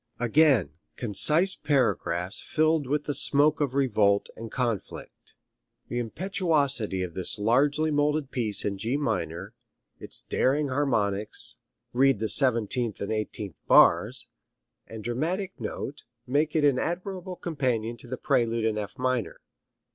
Again, concise paragraphs filled with the smoke of revolt and conflict The impetuosity of this largely moulded piece in G minor, its daring harmonics, read the seventeenth and eighteenth bars, and dramatic note make it an admirable companion to the Prelude in F minor.